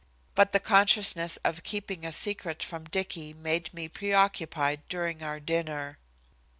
But the consciousness of keeping a secret from Dicky made me pre occupied during our dinner.